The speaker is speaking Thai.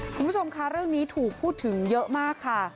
คุณผู้ชมค่ะเรื่องนี้ถูกพูดถึงเยอะมากค่ะ